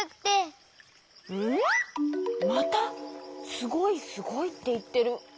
また「すごいすごい」っていってる。